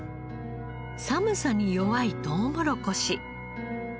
寒さに弱いトウモロコシ。